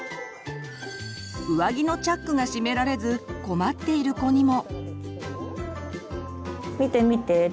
上着のチャックが閉められず困っている子にも。